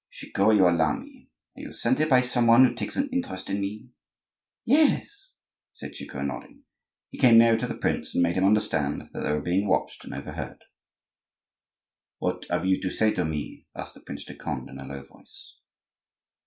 "Chicot, you alarm me. Are you sent here by some one who takes an interest in me?" "Yes," said Chicot, nodding. He came nearer to the prince, and made him understand that they were being watched and overheard. "What have you to say to me?" asked the Prince de Conde, in a low voice.